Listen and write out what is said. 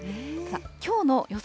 きょうの予想